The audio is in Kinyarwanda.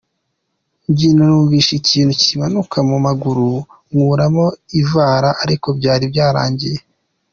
Mbyina numvise ikintu kimanuka mu maguru nkuramo ivara ariko byari byarangiye .